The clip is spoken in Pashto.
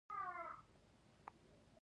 ایا ستاسو مزل به لنډ وي؟